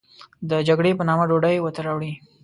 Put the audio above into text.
د جګړې په نامه ډوډۍ و تروړي.